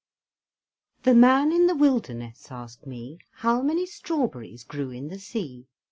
The man in the wilderness asked me, How many strawberries grew in the sea?